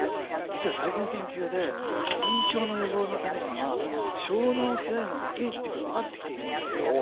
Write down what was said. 実は最近の研究で認知症の予防のためには小脳を鍛えるのがいいっていうことが分かってきているんですよ。